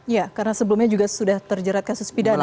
ya karena sebelumnya juga sudah terjerat kasus pidana